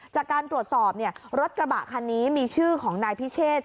จากการตรวจสอบรถกระบะคันนี้มีชื่อของนายพิเชษ